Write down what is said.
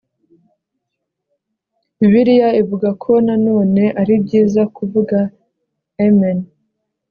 bibiliya ivuga ko nanone ari byiza kuvuga amen